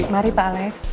mari pak alex